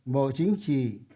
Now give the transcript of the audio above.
bộ chính trị